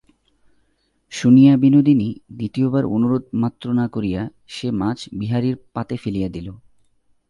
শুনিয়া বিনোদিনী দ্বিতীয় বার অনুরোধ মাত্র না করিয়া সে-মাছ বিহারীর পাতে ফেলিয়া দিল।